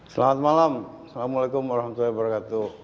selamat malam assalamualaikum warahmatullahi wabarakatuh